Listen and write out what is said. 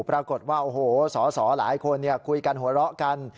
ปรากฏว่าโอ้โหสอสอหลายคนคุยกันหัวเราะกัน